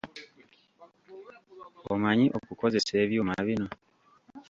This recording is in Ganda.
Omanyi okukozesa ebyuma bino?